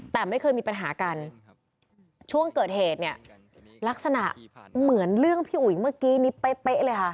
แต่ไม่เคยมีปัญหากันช่วงเกิดเหตุเนี่ยลักษณะเหมือนเรื่องพี่อุ๋ยเมื่อกี้นี้เป๊ะเลยค่ะ